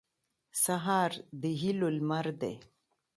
سهار د هیلو لمر دی.